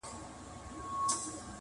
پر يارانو شنې پيالې ډكي له مُلو!!